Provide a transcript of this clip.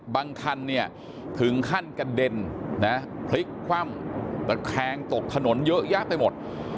คันเนี่ยถึงขั้นกระเด็นนะพลิกคว่ำตะแคงตกถนนเยอะแยะไปหมด